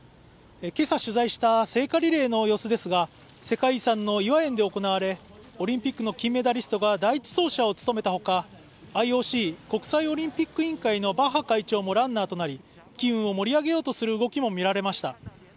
今朝取材した聖火リレーの様子ですが世界遺産の頤和園で行われ、オリンピックの金メダリストが第一走者を務めた他ＩＯＣ＝国際オリンピック委員会のバッハ会長もランナーとなり気運を盛り上げようとする動きも見られました。